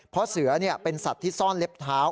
เพราะเสือเป็นสัตว์ที่ซ่อนเล็บเท้า